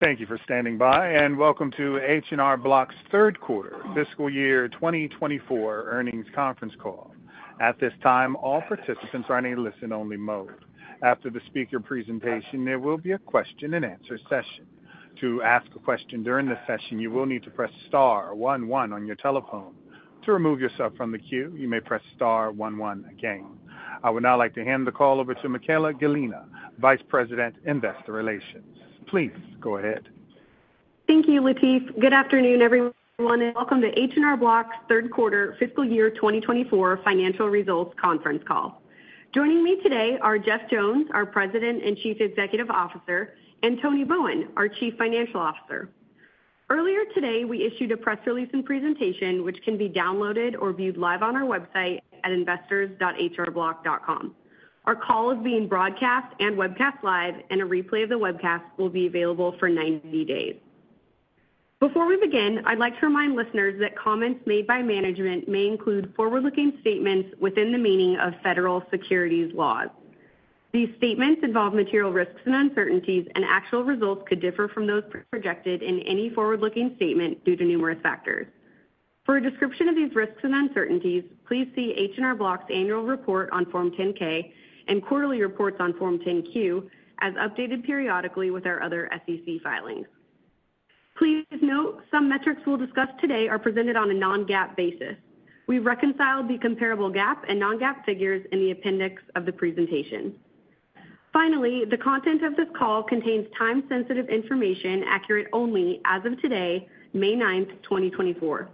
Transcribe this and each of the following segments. Thank you for standing by, and welcome to H&R Block's Third Quarter Fiscal Year 2024 Earnings Conference Call. At this time, all participants are in a listen-only mode. After the speaker presentation, there will be a question-and-answer session. To ask a question during the session, you will need to press star 11 on your telephone. To remove yourself from the queue, you may press star 11 again. I would now like to hand the call over to Michaella Gallina, Vice President, Investor Relations. Please go ahead. Thank you, Latife. Good afternoon, everyone, and welcome to H&R Block's third quarter fiscal year 2024 financial results conference call. Joining me today are Jeff Jones, our President and Chief Executive Officer, and Tony Bowen, our Chief Financial Officer. Earlier today, we issued a press release and presentation, which can be downloaded or viewed live on our website at investors.hrblock.com. Our call is being broadcast and webcast live, and a replay of the webcast will be available for 90 days. Before we begin, I'd like to remind listeners that comments made by management may include forward-looking statements within the meaning of federal securities laws. These statements involve material risks and uncertainties, and actual results could differ from those projected in any forward-looking statement due to numerous factors. For a description of these risks and uncertainties, please see H&R Block's annual report on Form 10-K and quarterly reports on Form 10-Q as updated periodically with our other SEC filings. Please note some metrics we'll discuss today are presented on a non-GAAP basis. We've reconciled the comparable GAAP and non-GAAP figures in the appendix of the presentation. Finally, the content of this call contains time-sensitive information accurate only as of today, May 9th, 2024.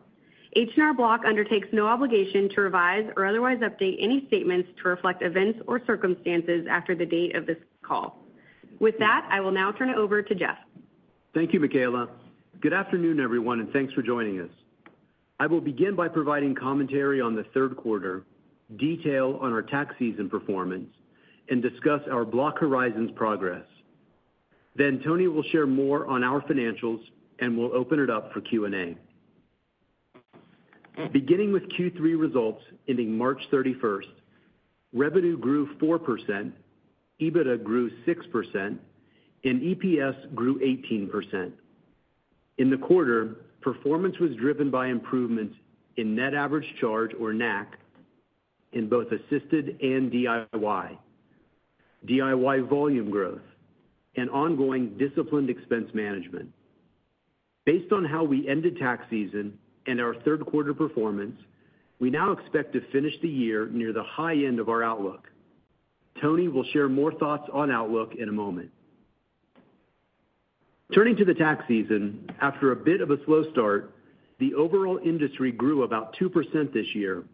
H&R Block undertakes no obligation to revise or otherwise update any statements to reflect events or circumstances after the date of this call. With that, I will now turn it over to Jeff. Thank you, Michaella. Good afternoon, everyone, and thanks for joining us. I will begin by providing commentary on the third quarter, detail on our tax season performance, and discuss our Block Horizons progress. Then Tony will share more on our financials, and we'll open it up for Q&A. Beginning with Q3 results ending March 31st, revenue grew 4%, EBITDA grew 6%, and EPS grew 18%. In the quarter, performance was driven by improvements in net average charge, or NAC, in both assisted and DIY, DIY volume growth, and ongoing disciplined expense management. Based on how we ended tax season and our third quarter performance, we now expect to finish the year near the high end of our outlook. Tony will share more thoughts on outlook in a moment. Turning to the tax season, after a bit of a slow start, the overall industry grew about 2% this year,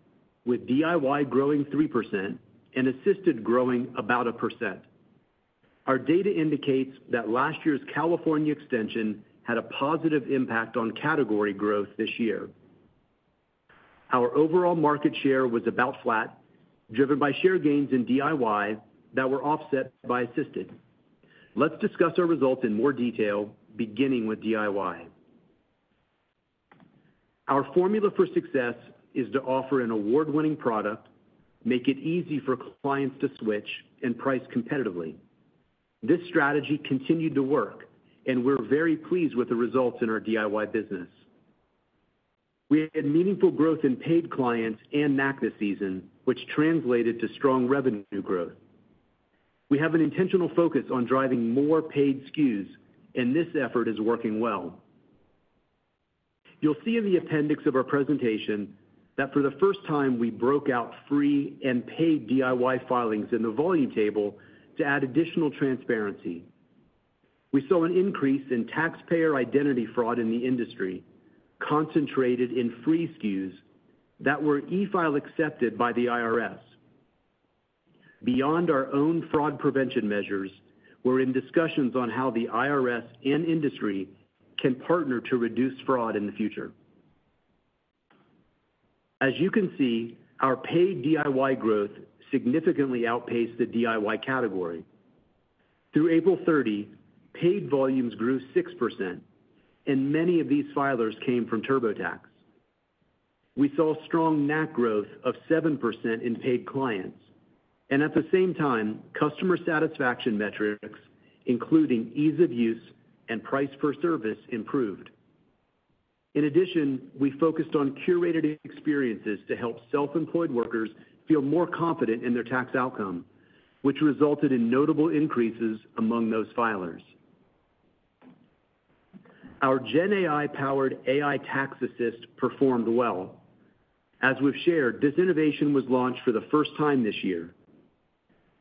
with DIY growing 3% and assisted growing about 1%. Our data indicates that last year's California extension had a positive impact on category growth this year. Our overall market share was about flat, driven by share gains in DIY that were offset by assisted. Let's discuss our results in more detail, beginning with DIY. Our formula for success is to offer an award-winning product, make it easy for clients to switch, and price competitively. This strategy continued to work, and we're very pleased with the results in our DIY business. We had meaningful growth in paid clients and NAC this season, which translated to strong revenue growth. We have an intentional focus on driving more paid SKUs, and this effort is working well. You'll see in the appendix of our presentation that for the first time, we broke out free and paid DIY filings in the volume table to add additional transparency. We saw an increase in taxpayer identity fraud in the industry, concentrated in free SKUs that were e-file accepted by the IRS. Beyond our own fraud prevention measures, we're in discussions on how the IRS and industry can partner to reduce fraud in the future. As you can see, our paid DIY growth significantly outpaced the DIY category. Through April 30, paid volumes grew 6%, and many of these filers came from TurboTax. We saw strong NAC growth of 7% in paid clients, and at the same time, customer satisfaction metrics, including ease of use and price per service, improved. In addition, we focused on curated experiences to help self-employed workers feel more confident in their tax outcome, which resulted in notable increases among those filers. Our GenAI-powered AI Tax Assist performed well. As we've shared, this innovation was launched for the first time this year.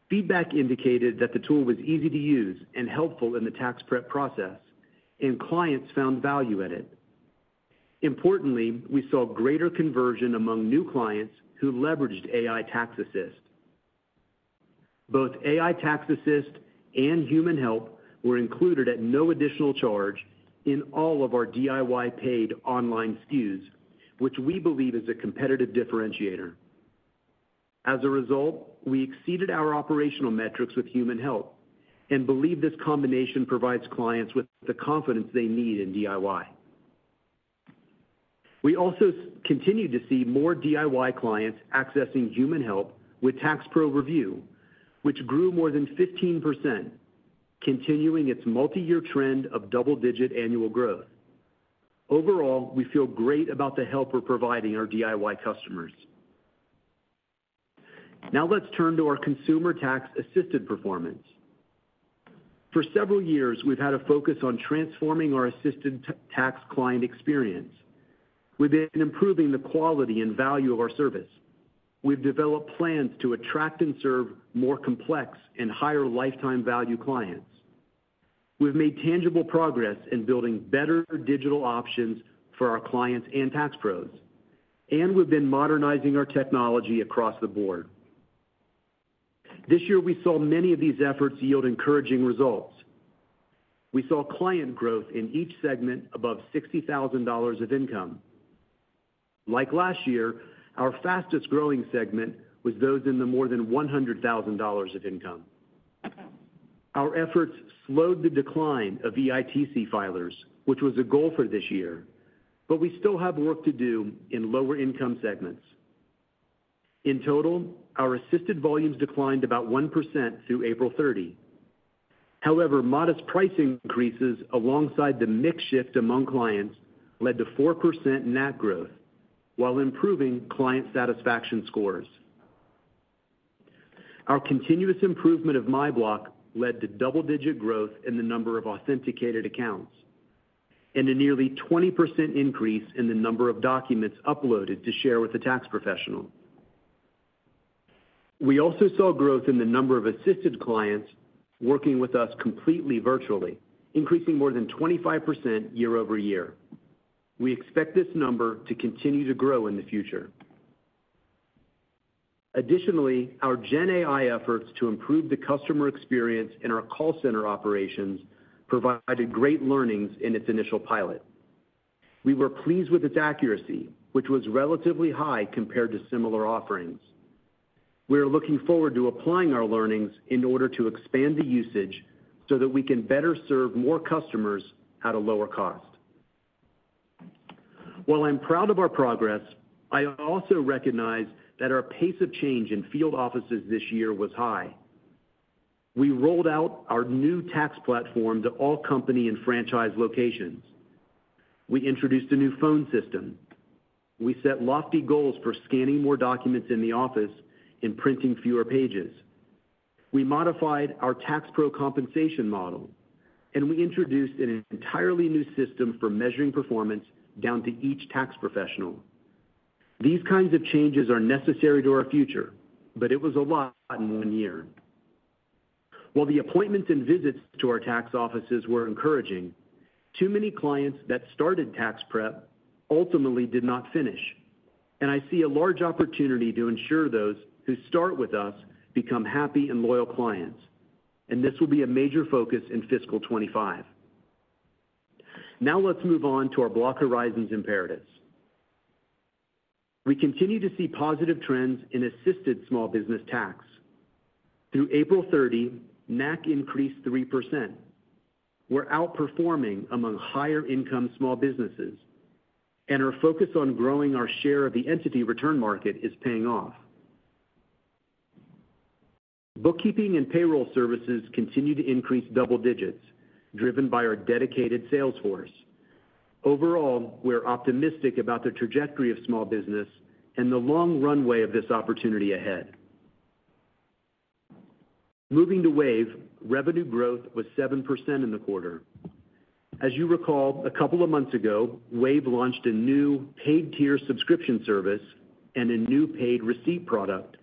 Feedback indicated that the tool was easy to use and helpful in the tax prep process, and clients found value in it. Importantly, we saw greater conversion among new clients who leveraged AI Tax Assist. Both AI Tax Assist and human help were included at no additional charge in all of our DIY paid online SKUs, which we believe is a competitive differentiator. As a result, we exceeded our operational metrics with human help and believe this combination provides clients with the confidence they need in DIY. We also continued to see more DIY clients accessing human help with Tax Pro Review, which grew more than 15%, continuing its multi-year trend of double-digit annual growth. Overall, we feel great about the help we're providing our DIY customers. Now let's turn to our consumer tax assisted performance. For several years, we've had a focus on transforming our assisted tax client experience. We've been improving the quality and value of our service. We've developed plans to attract and serve more complex and higher lifetime value clients. We've made tangible progress in building better digital options for our clients and Tax Pros, and we've been modernizing our technology across the board. This year, we saw many of these efforts yield encouraging results. We saw client growth in each segment above $60,000 of income. Like last year, our fastest growing segment was those in the more than $100,000 of income. Our efforts slowed the decline of EITC filers, which was a goal for this year, but we still have work to do in lower-income segments. In total, our assisted volumes declined about 1% through April 30. However, modest price increases alongside the mix shift among clients led to 4% NAC growth while improving client satisfaction scores. Our continuous improvement of MyBlock led to double-digit growth in the number of authenticated accounts and a nearly 20% increase in the number of documents uploaded to share with a tax professional. We also saw growth in the number of assisted clients working with us completely virtually, increasing more than 25% year-over-year. We expect this number to continue to grow in the future. Additionally, our GenAI efforts to improve the customer experience in our call center operations provided great learnings in its initial pilot. We were pleased with its accuracy, which was relatively high compared to similar offerings. We are looking forward to applying our learnings in order to expand the usage so that we can better serve more customers at a lower cost. While I'm proud of our progress, I also recognize that our pace of change in field offices this year was high. We rolled out our new tax platform to all company and franchise locations. We introduced a new phone system. We set lofty goals for scanning more documents in the office and printing fewer pages. We modified our Tax Pro compensation model, and we introduced an entirely new system for measuring performance down to each tax professional. These kinds of changes are necessary to our future, but it was a lot in one year. While the appointments and visits to our tax offices were encouraging, too many clients that started tax prep ultimately did not finish, and I see a large opportunity to ensure those who start with us become happy and loyal clients, and this will be a major focus in fiscal 2025. Now let's move on to our Block Horizons imperatives. We continue to see positive trends in assisted small business tax. Through April 30, NAC increased 3%. We're outperforming among higher-income small businesses, and our focus on growing our share of the entity return market is paying off. Bookkeeping and payroll services continue to increase double digits, driven by our dedicated sales force. Overall, we're optimistic about the trajectory of small business and the long runway of this opportunity ahead. Moving to Wave, revenue growth was 7% in the quarter. As you recall, a couple of months ago, Wave launched a new paid-tier subscription service and a new paid receipt product.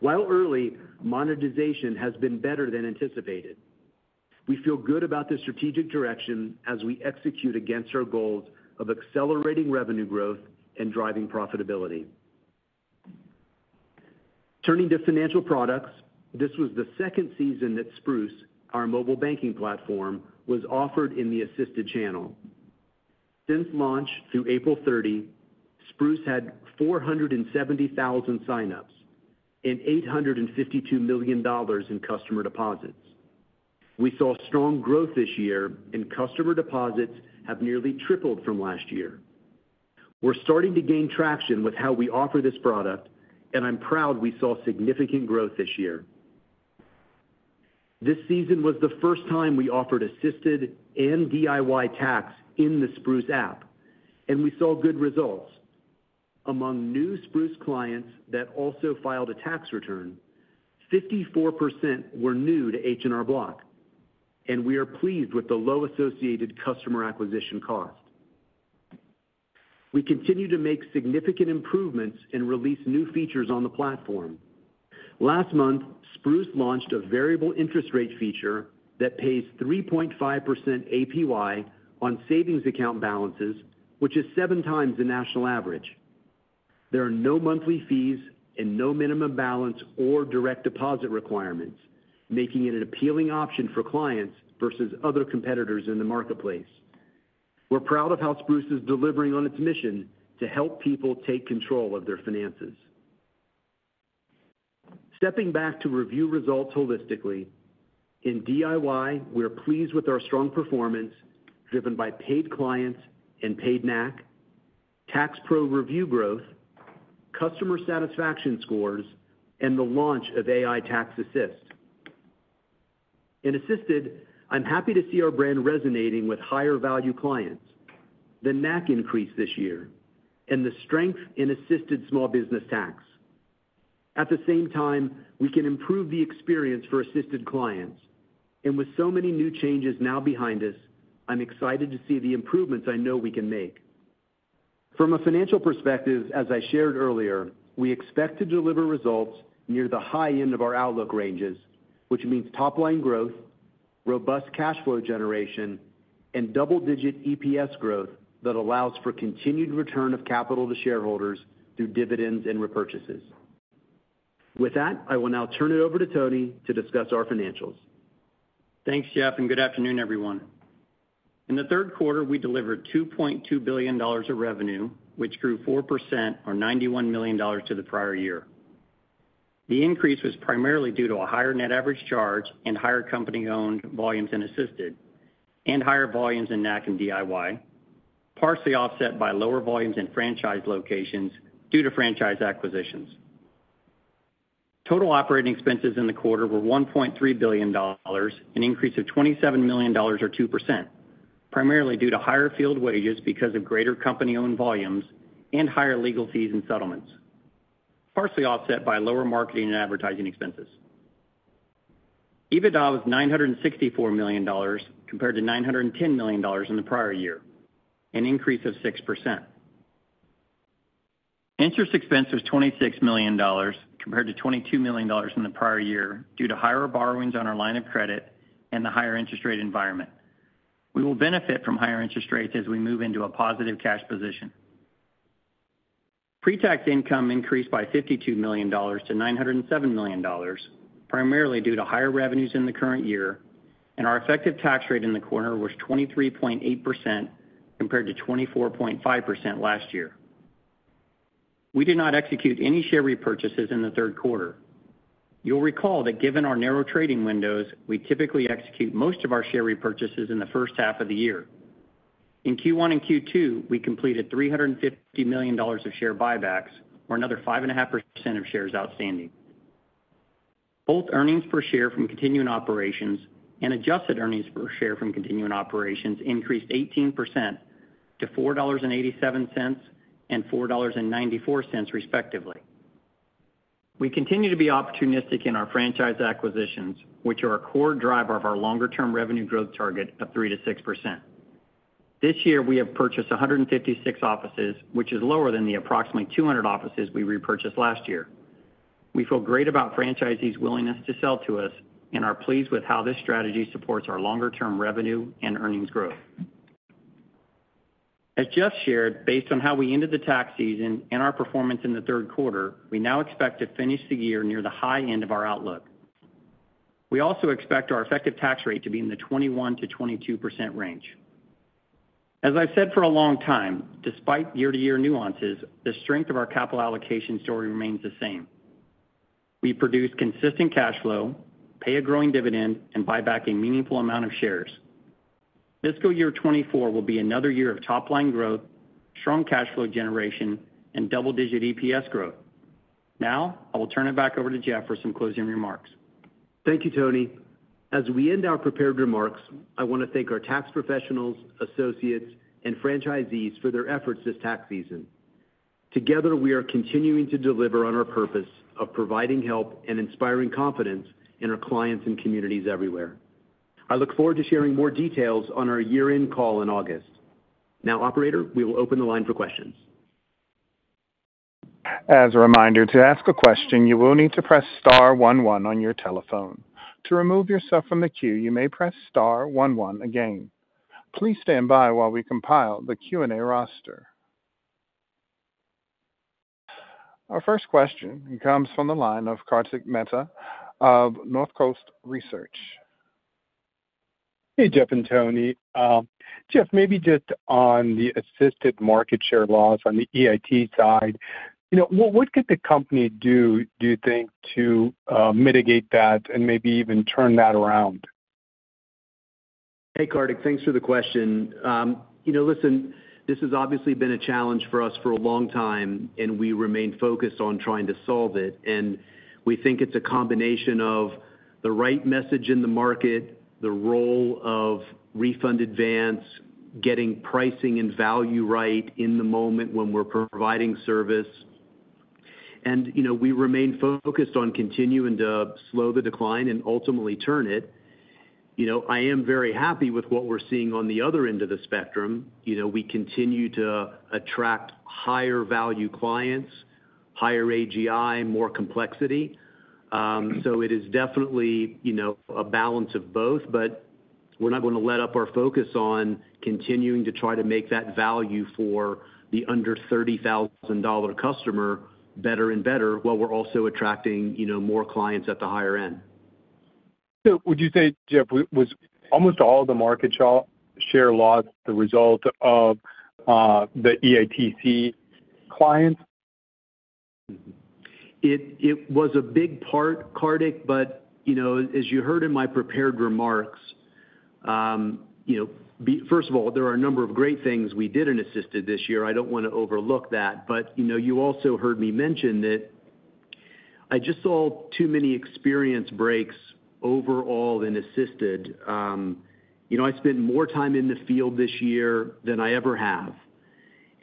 While early, monetization has been better than anticipated. We feel good about the strategic direction as we execute against our goals of accelerating revenue growth and driving profitability. Turning to financial products, this was the second season that Spruce, our mobile banking platform, was offered in the assisted channel. Since launch through April 30, Spruce had 470,000 signups and $852 million in customer deposits. We saw strong growth this year, and customer deposits have nearly tripled from last year. We're starting to gain traction with how we offer this product, and I'm proud we saw significant growth this year. This season was the first time we offered assisted and DIY tax in the Spruce app, and we saw good results. Among new Spruce clients that also filed a tax return, 54% were new to H&R Block, and we are pleased with the low associated customer acquisition cost. We continue to make significant improvements and release new features on the platform. Last month, Spruce launched a variable interest rate feature that pays 3.5% APY on savings account balances, which is seven times the national average. There are no monthly fees and no minimum balance or direct deposit requirements, making it an appealing option for clients versus other competitors in the marketplace. We're proud of how Spruce is delivering on its mission to help people take control of their finances. Stepping back to review results holistically, in DIY, we're pleased with our strong performance driven by paid clients and paid NAC, Tax Pro Review growth, customer satisfaction scores, and the launch of AI Tax Assist. In assisted, I'm happy to see our brand resonating with higher value clients. The NAC increased this year and the strength in assisted small business tax. At the same time, we can improve the experience for assisted clients, and with so many new changes now behind us, I'm excited to see the improvements I know we can make. From a financial perspective, as I shared earlier, we expect to deliver results near the high end of our outlook ranges, which means top-line growth, robust cash flow generation, and double-digit EPS growth that allows for continued return of capital to shareholders through dividends and repurchases. With that, I will now turn it over to Tony to discuss our financials. Thanks, Jeff, and good afternoon, everyone. In the third quarter, we delivered $2.2 billion of revenue, which grew 4% or $91 million to the prior year. The increase was primarily due to a higher net average charge and higher company-owned volumes in assisted and higher volumes in NAC and DIY, partially offset by lower volumes in franchise locations due to franchise acquisitions. Total operating expenses in the quarter were $1.3 billion, an increase of $27 million or 2%, primarily due to higher field wages because of greater company-owned volumes and higher legal fees and settlements, partially offset by lower marketing and advertising expenses. EBITDA was $964 million compared to $910 million in the prior year, an increase of 6%. Interest expense was $26 million compared to $22 million in the prior year due to higher borrowings on our line of credit and the higher interest rate environment. We will benefit from higher interest rates as we move into a positive cash position. Pre-tax income increased by $52 million to $907 million, primarily due to higher revenues in the current year, and our effective tax rate in the quarter was 23.8% compared to 24.5% last year. We did not execute any share repurchases in the third quarter. You'll recall that given our narrow trading windows, we typically execute most of our share repurchases in the first half of the year. In Q1 and Q2, we completed $350 million of share buybacks, or another 5.5% of shares outstanding. Both earnings per share from continuing operations and adjusted earnings per share from continuing operations increased 18% to $4.87 and $4.94 respectively. We continue to be opportunistic in our franchise acquisitions, which are a core driver of our longer-term revenue growth target of 3%-6%. This year, we have purchased 156 offices, which is lower than the approximately 200 offices we repurchased last year. We feel great about franchisees' willingness to sell to us and are pleased with how this strategy supports our longer-term revenue and earnings growth. As Jeff shared, based on how we ended the tax season and our performance in the third quarter, we now expect to finish the year near the high end of our outlook. We also expect our effective tax rate to be in the 21%-22% range. As I've said for a long time, despite year-to-year nuances, the strength of our capital allocation story remains the same. We produce consistent cash flow, pay a growing dividend, and buy back a meaningful amount of shares. Fiscal year 2024 will be another year of top-line growth, strong cash flow generation, and double-digit EPS growth. Now I will turn it back over to Jeff for some closing remarks. Thank you, Tony. As we end our prepared remarks, I want to thank our tax professionals, associates, and franchisees for their efforts this tax season. Together, we are continuing to deliver on our purpose of providing help and inspiring confidence in our clients and communities everywhere. I look forward to sharing more details on our year-end call in August. Now, operator, we will open the line for questions. As a reminder, to ask a question, you will need to press star 11 on your telephone. To remove yourself from the queue, you may press star 11 again. Please stand by while we compile the Q&A roster. Our first question comes from the line of Kartik Mehta of Northcoast Research. Hey, Jeff and Tony. Jeff, maybe just on the assisted market share loss on the EITC side, what could the company do, do you think, to mitigate that and maybe even turn that around? Hey, Kartik, thanks for the question. Listen, this has obviously been a challenge for us for a long time, and we remain focused on trying to solve it. We think it's a combination of the right message in the market, the role of refund advance, getting pricing and value right in the moment when we're providing service. We remain focused on continuing to slow the decline and ultimately turn it. I am very happy with what we're seeing on the other end of the spectrum. We continue to attract higher value clients, higher AGI, more complexity. It is definitely a balance of both, but we're not going to let up our focus on continuing to try to make that value for the under $30,000 customer better and better while we're also attracting more clients at the higher end. Would you say, Jeff, was almost all of the market share loss the result of the EITC clients? It was a big part, Kartik, but as you heard in my prepared remarks, first of all, there are a number of great things we did in assisted this year. I don't want to overlook that. But you also heard me mention that I just saw too many experience breaks overall in assisted. I spent more time in the field this year than I ever have.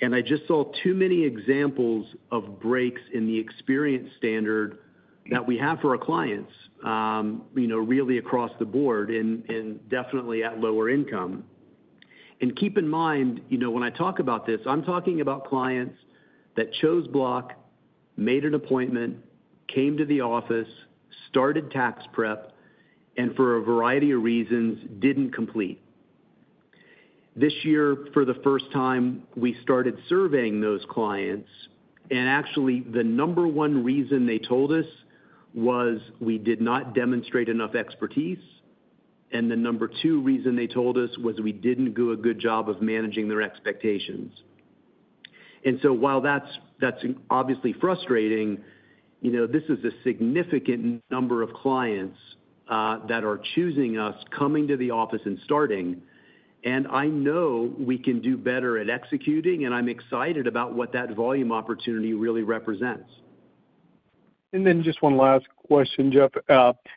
And I just saw too many examples of breaks in the experience standard that we have for our clients, really across the board and definitely at lower income. And keep in mind, when I talk about this, I'm talking about clients that chose Block, made an appointment, came to the office, started tax prep, and for a variety of reasons didn't complete. This year, for the first time, we started surveying those clients, and actually, the number one reason they told us was we did not demonstrate enough expertise. And the number two reason they told us was we didn't do a good job of managing their expectations. And so while that's obviously frustrating, this is a significant number of clients that are choosing us, coming to the office and starting. And I know we can do better at executing, and I'm excited about what that volume opportunity really represents. And then just one last question, Jeff.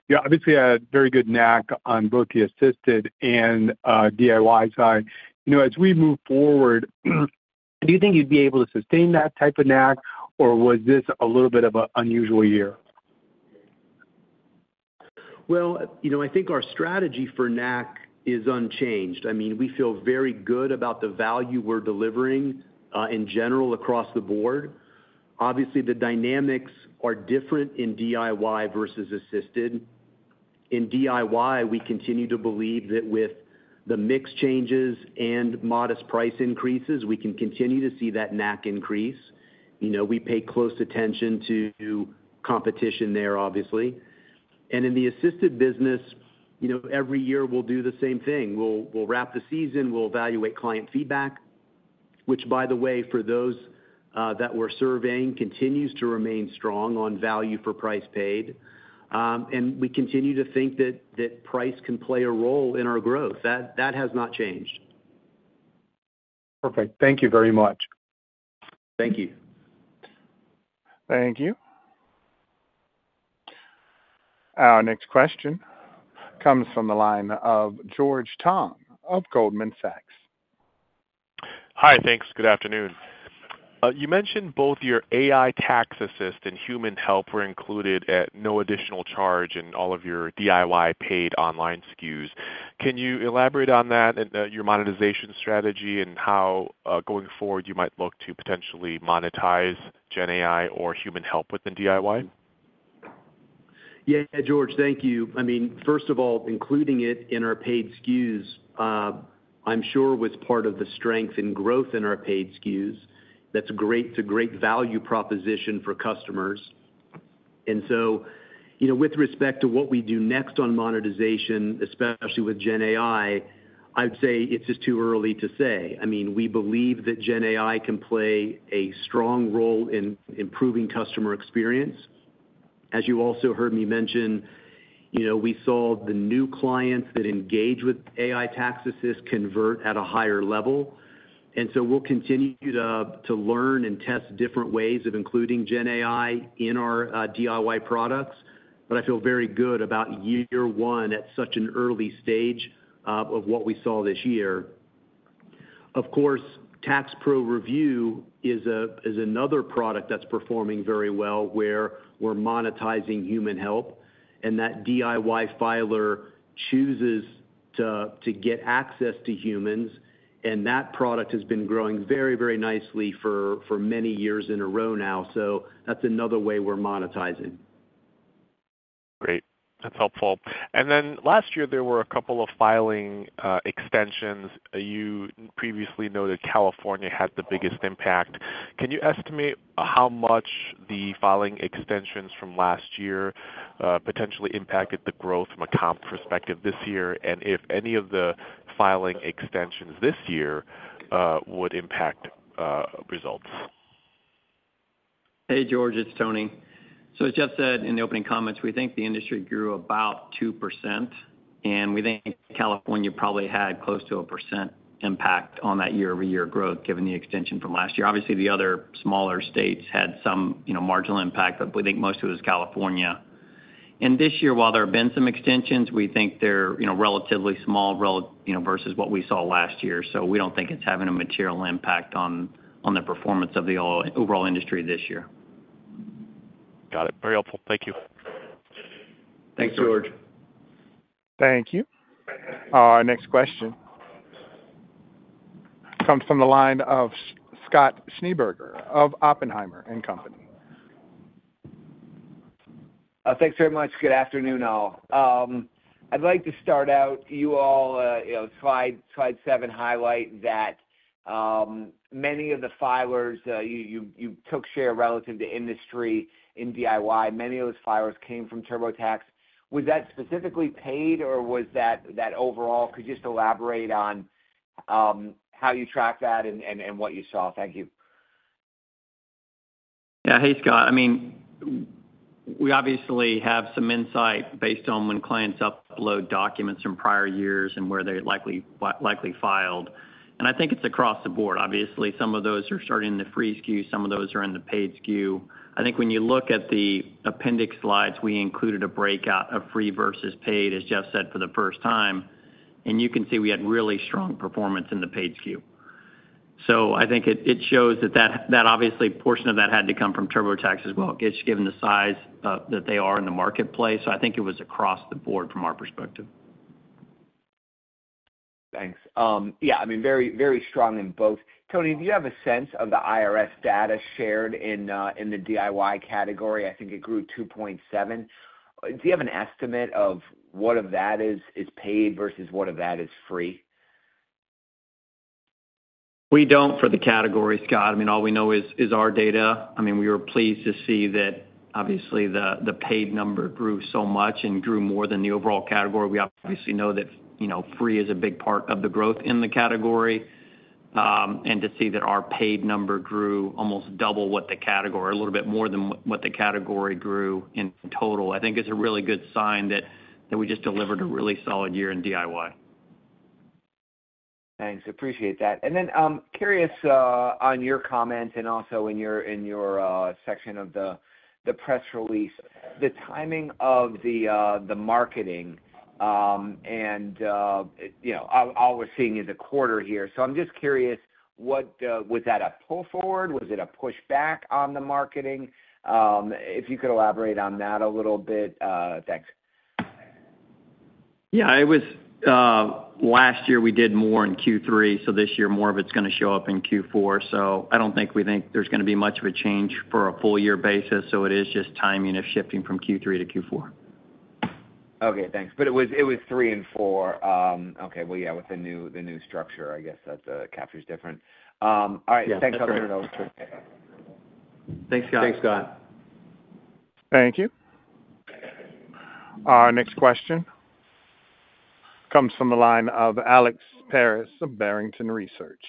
You obviously had a very good NAC on both the assisted and DIY side. As we move forward. Do you think you'd be able to sustain that type of NAC, or was this a little bit of an unusual year? Well, I think our strategy for NAC is unchanged. I mean, we feel very good about the value we're delivering in general across the board. Obviously, the dynamics are different in DIY versus assisted. In DIY, we continue to believe that with the mix changes and modest price increases, we can continue to see that NAC increase. We pay close attention to competition there, obviously. And in the assisted business, every year we'll do the same thing. We'll wrap the season. We'll evaluate client feedback, which, by the way, for those that we're surveying, continues to remain strong on value for price paid. And we continue to think that price can play a role in our growth. That has not changed. Perfect. Thank you very much. Thank you. Thank you. Our next question comes from the line of George Tong of Goldman Sachs. Hi, thanks. Good afternoon. You mentioned both your AI Tax Assist and human help were included at no additional charge in all of your DIY paid online SKUs. Can you elaborate on that and your monetization strategy and how going forward you might look to potentially monetize GenAI or human help within DIY? Yeah, George, thank you. I mean, first of all, including it in our paid SKUs, I'm sure was part of the strength and growth in our paid SKUs. That's a great to great value proposition for customers. And so with respect to what we do next on monetization, especially with GenAI, I'd say it's just too early to say. I mean, we believe that GenAI can play a strong role in improving customer experience. As you also heard me mention, we saw the new clients that engage with AI Tax Assist convert at a higher level. And so we'll continue to learn and test different ways of including GenAI in our DIY products. But I feel very good about year one at such an early stage of what we saw this year. Of course, Tax Pro Review is another product that's performing very well where we're monetizing human help. That DIY filer chooses to get access to humans, and that product has been growing very, very nicely for many years in a row now. That's another way we're monetizing. Great. That's helpful. And then last year, there were a couple of filing extensions. You previously noted California had the biggest impact. Can you estimate how much the filing extensions from last year potentially impacted the growth from a comp perspective this year and if any of the filing extensions this year would impact results? Hey, George. It's Tony. So as Jeff said in the opening comments, we think the industry grew about 2%. And we think California probably had close to 1% impact on that year-over-year growth given the extension from last year. Obviously, the other smaller states had some marginal impact, but we think most of it was California. And this year, while there have been some extensions, we think they're relatively small versus what we saw last year. So we don't think it's having a material impact on the performance of the overall industry this year. Got it. Very helpful. Thank you. Thanks, George. Thank you. Our next question comes from the line of Scott Schneeberger of Oppenheimer and Company. Thanks very much. Good afternoon, all. I'd like to start out, you all, slide seven highlight that many of the filers you took share relative to industry in DIY, many of those filers came from TurboTax. Was that specifically paid, or was that overall? Could you just elaborate on how you tracked that and what you saw? Thank you. Yeah. Hey, Scott. I mean, we obviously have some insight based on when clients upload documents from prior years and where they likely filed. I think it's across the board. Obviously, some of those are starting in the free SKU. Some of those are in the paid SKU. I think when you look at the appendix slides, we included a breakout of free versus paid, as Jeff said, for the first time. You can see we had really strong performance in the paid SKU. So I think it shows that obviously, portion of that had to come from TurboTax as well, just given the size that they are in the marketplace. So I think it was across the board from our perspective. Thanks. Yeah. I mean, very, very strong in both. Tony, do you have a sense of the IRS data shared in the DIY category? I think it grew 2.7. Do you have an estimate of what of that is paid versus what of that is free? We don't know for the category, Scott. I mean, all we know is our data. I mean, we were pleased to see that, obviously, the paid number grew so much and grew more than the overall category. We obviously know that free is a big part of the growth in the category. And to see that our paid number grew almost double what the category, a little bit more than what the category grew in total, I think is a really good sign that we just delivered a really solid year in DIY. Thanks. Appreciate that. And then curious on your comments and also in your section of the press release, the timing of the marketing. And all we're seeing is a quarter here. So I'm just curious, was that a pull forward? Was it a pushback on the marketing? If you could elaborate on that a little bit. Thanks. Yeah. Last year, we did more in Q3. So this year, more of it's going to show up in Q4. So I don't think we think there's going to be much of a change for a full-year basis. So it is just timing of shifting from Q3 to Q4. Okay. Thanks. But it was three and four. Okay. Well, yeah, with the new structure, I guess that captures different. All right. Thanks for the help. Thanks, Scott. Thanks, Scott. Thank you. Our next question comes from the line of Alex Paris of Barrington Research.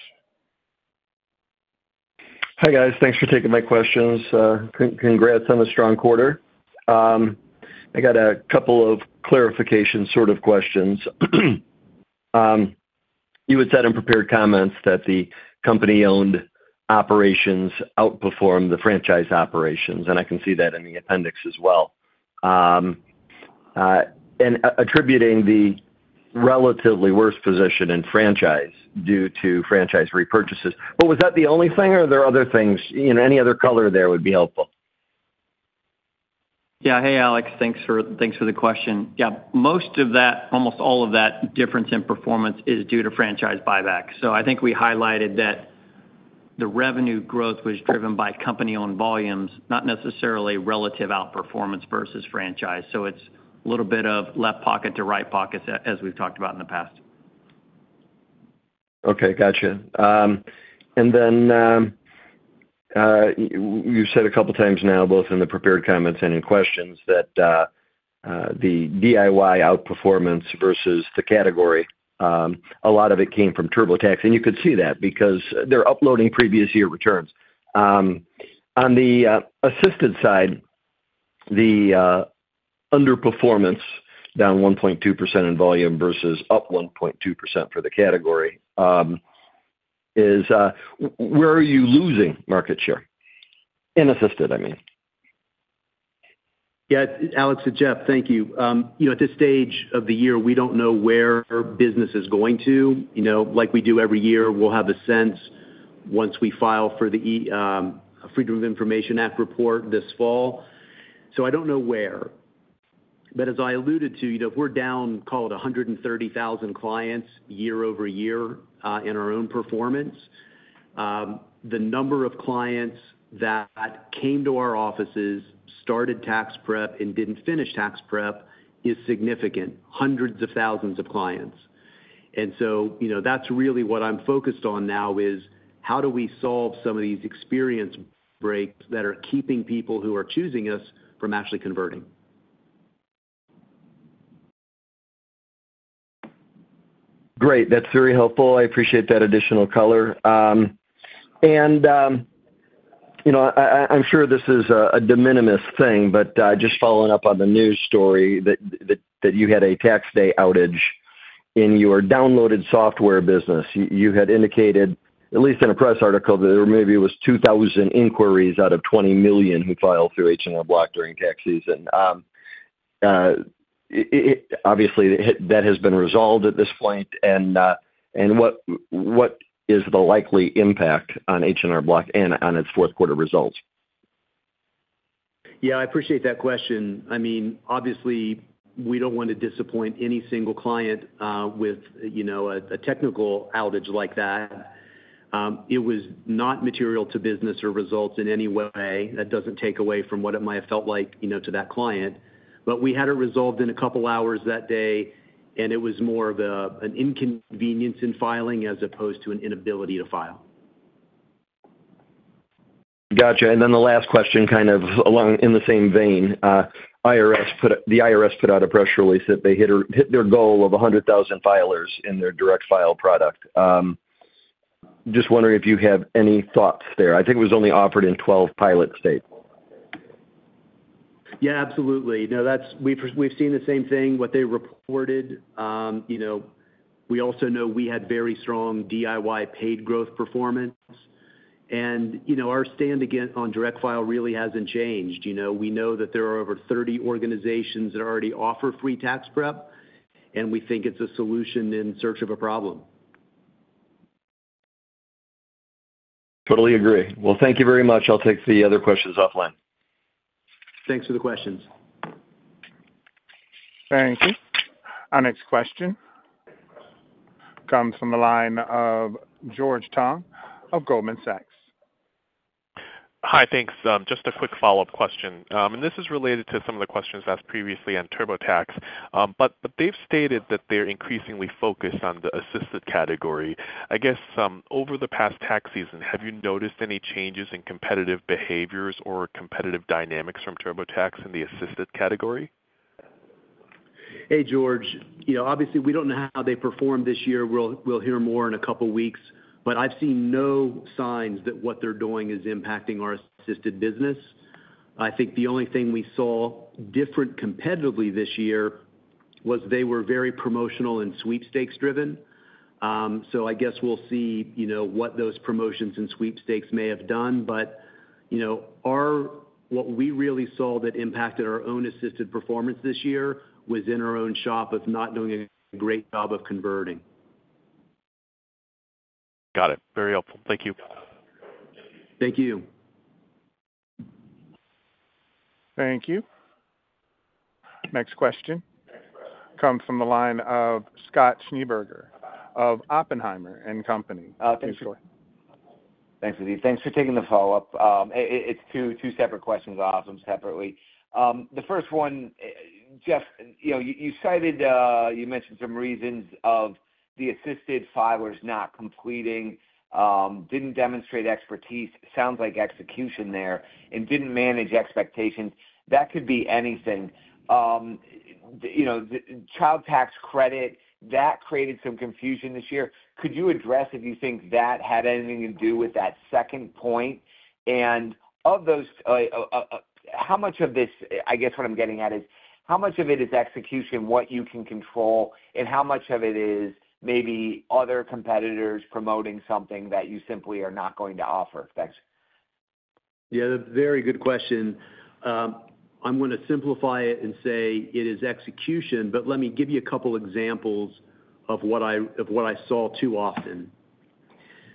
Hi, guys. Thanks for taking my questions. Congrats on the strong quarter. I got a couple of clarification sort of questions. You had said in prepared comments that the company-owned operations outperform the franchise operations. And I can see that in the appendix as well. And attributing the relatively worse position in franchise due to franchise repurchases. But was that the only thing, or are there other things? Any other color there would be helpful. Yeah. Hey, Alex. Thanks for the question. Yeah. Most of that, almost all of that difference in performance is due to franchise buyback. So I think we highlighted that the revenue growth was driven by company-owned volumes, not necessarily relative outperformance versus franchise. So it's a little bit of left pocket to right pocket, as we've talked about in the past. Okay. Gotcha. And then you've said a couple of times now, both in the prepared comments and in questions, that the DIY outperformance versus the category, a lot of it came from TurboTax. And you could see that because they're uploading previous year returns. On the assisted side, the underperformance down 1.2% in volume versus up 1.2% for the category is where are you losing market share? In assisted, I mean. Yeah. Alex and Jeff, thank you. At this stage of the year, we don't know where business is going to. Like we do every year, we'll have a sense once we file for the Freedom of Information Act report this fall. So I don't know where. But as I alluded to, if we're down, call it 130,000 clients year-over-year in our own performance, the number of clients that came to our offices, started tax prep, and didn't finish tax prep is significant, hundreds of thousands of clients. And so that's really what I'm focused on now is how do we solve some of these experience breaks that are keeping people who are choosing us from actually converting. Great. That's very helpful. I appreciate that additional color. And I'm sure this is a de minimis thing, but just following up on the news story that you had a Tax Day outage in your downloaded software business. You had indicated, at least in a press article, that there maybe was 2,000 inquiries out of 20 million who filed through H&R Block during tax season. Obviously, that has been resolved at this point. And what is the likely impact on H&R Block and on its fourth-quarter results? Yeah. I appreciate that question. I mean, obviously, we don't want to disappoint any single client with a technical outage like that. It was not material to business or results in any way. That doesn't take away from what it might have felt like to that client. But we had it resolved in a couple of hours that day, and it was more of an inconvenience in filing as opposed to an inability to file. Gotcha. And then the last question kind of in the same vein. The IRS put out a press release that they hit their goal of 100,000 filers in their Direct File product. Just wondering if you have any thoughts there. I think it was only offered in 12 pilot states. Yeah. Absolutely. No, we've seen the same thing, what they reported. We also know we had very strong DIY paid growth performance. And our stand on Direct File really hasn't changed. We know that there are over 30 organizations that already offer free tax prep, and we think it's a solution in search of a problem. Totally agree. Well, thank you very much. I'll take the other questions offline. Thanks for the questions. Thank you. Our next question comes from the line of George Tong of Goldman Sachs. Hi. Thanks. Just a quick follow-up question. This is related to some of the questions asked previously on TurboTax. They've stated that they're increasingly focused on the assisted category. I guess over the past tax season, have you noticed any changes in competitive behaviors or competitive dynamics from TurboTax in the assisted category? Hey, George. Obviously, we don't know how they performed this year. We'll hear more in a couple of weeks. But I've seen no signs that what they're doing is impacting our assisted business. I think the only thing we saw different competitively this year was they were very promotional and sweepstakes-driven. So I guess we'll see what those promotions and sweepstakes may have done. But what we really saw that impacted our own assisted performance this year was in our own shop of not doing a great job of converting. Got it. Very helpful. Thank you. Thank you. Thank you. Next question comes from the line of Scott Schneeberger of Oppenheimer and Company. Thanks, Latife. Thanks for taking the follow-up. It's two separate questions, awesome, separately. The first one, Jeff, you mentioned some reasons of the assisted filers not completing, didn't demonstrate expertise, sounds like execution there, and didn't manage expectations. That could be anything. Child Tax Credit, that created some confusion this year. Could you address if you think that had anything to do with that second point? And of those, how much of this I guess what I'm getting at is how much of it is execution, what you can control, and how much of it is maybe other competitors promoting something that you simply are not going to offer? Thanks. Yeah. That's a very good question. I'm going to simplify it and say it is execution. But let me give you a couple of examples of what I saw too often.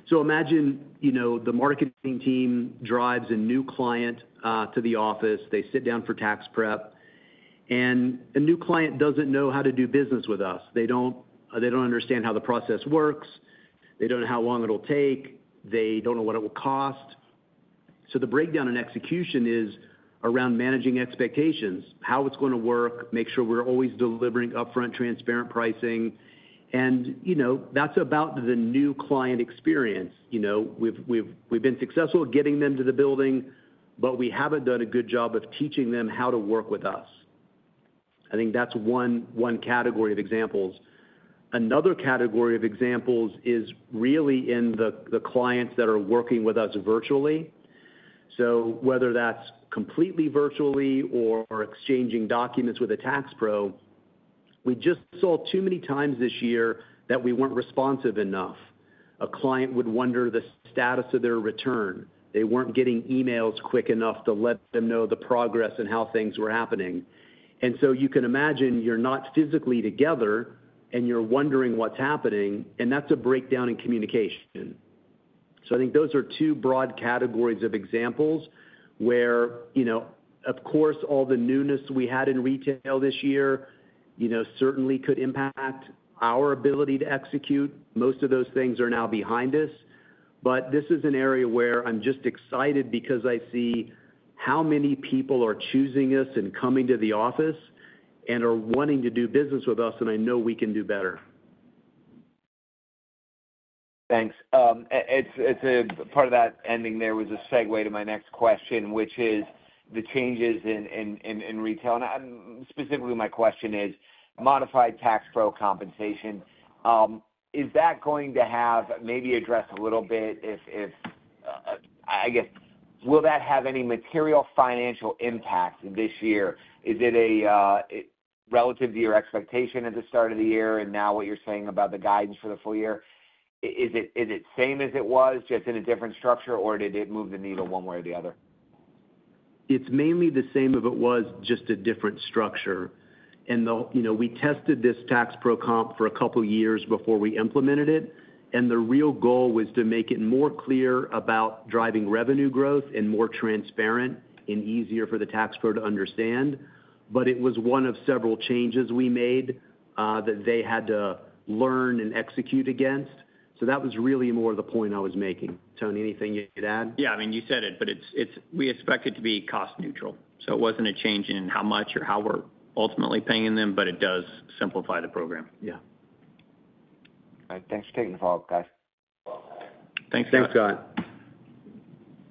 So imagine the marketing team drives a new client to the office. They sit down for tax prep. And a new client doesn't know how to do business with us. They don't understand how the process works. They don't know how long it'll take. They don't know what it will cost. So the breakdown in execution is around managing expectations, how it's going to work, make sure we're always delivering upfront, transparent pricing. And that's about the new client experience. We've been successful getting them to the building, but we haven't done a good job of teaching them how to work with us. I think that's one category of examples. Another category of examples is really in the clients that are working with us virtually. So whether that's completely virtually or exchanging documents with a tax pro, we just saw too many times this year that we weren't responsive enough. A client would wonder the status of their return. They weren't getting emails quick enough to let them know the progress and how things were happening. And so you can imagine you're not physically together, and you're wondering what's happening. And that's a breakdown in communication. So I think those are two broad categories of examples where, of course, all the newness we had in retail this year certainly could impact our ability to execute. Most of those things are now behind us. But this is an area where I'm just excited because I see how many people are choosing us and coming to the office and are wanting to do business with us. And I know we can do better. Thanks. Part of that ending there was a segue to my next question, which is the changes in retail. And specifically, my question is modified tax pro compensation. Is that going to have maybe addressed a little bit if I guess will that have any material financial impact this year? Is it relative to your expectation at the start of the year and now what you're saying about the guidance for the full year? Is it same as it was, just in a different structure, or did it move the needle one way or the other? It's mainly the same if it was, just a different structure. We tested this tax pro comp for a couple of years before we implemented it. The real goal was to make it more clear about driving revenue growth and more transparent and easier for the tax pro to understand. It was one of several changes we made that they had to learn and execute against. That was really more the point I was making. Tony, anything you could add? Yeah. I mean, you said it, but we expect it to be cost-neutral. It wasn't a change in how much or how we're ultimately paying them, but it does simplify the program. All right. Thanks for taking the follow-up, guys. Thanks, Scott. Thanks, Scott.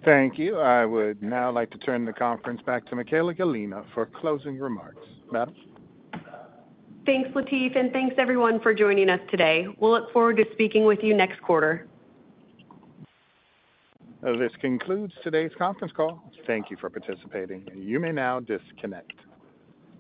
Thank you. I would now like to turn the conference back to Michaella Gallina for closing remarks. Madam? Thanks, Latife, and thanks, everyone, for joining us today. We'll look forward to speaking with you next quarter. This concludes today's conference call. Thank you for participating. You may now disconnect.